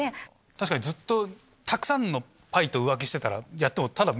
確かにずっとたくさんのパイと浮気してたらやってもただ。